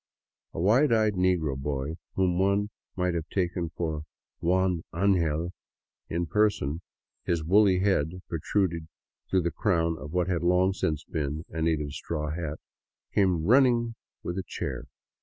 A wide eyed negro boy whom one might have taken for " Juan Angel " in person, his woolly head protruding through the crown of what had long since been a na tive straw hat, came running with a chair.